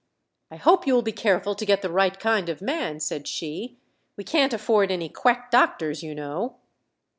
"] "I hope you will be careful to get the right kind of a man," said she. "We can't afford any quack doctors, you know."